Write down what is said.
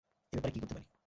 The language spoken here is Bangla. এই ব্যাপারে কি করতে পারি?